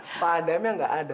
iya pak adam yang nggak ada